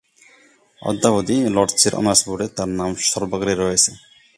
অদ্যাবধি লর্ডসের অনার্স বোর্ডে তার নাম সর্বাগ্রে রয়েছে।